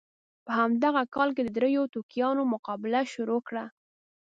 په همدغه کال کې دریو ټوکیانو مقابله شروع کړه.